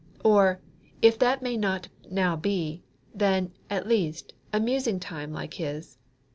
Or, if that may not now be, then, at least, a musing time like his.